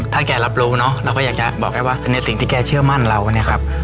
ถ้าแกรับรู้เนอะเราก็อยากจะบอกแกว่าในสิ่งที่แกเชื่อมั่นเราเนี่ยครับ